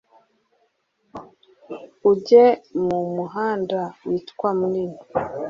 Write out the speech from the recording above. ujye mu muhanda witwa munini